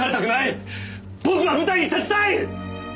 僕は舞台に立ちたい！！